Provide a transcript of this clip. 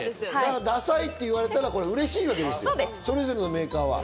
ダサいって言われたら嬉しいわけです、それぞれのメーカーは。